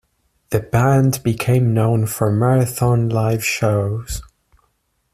The band became known for marathon live shows.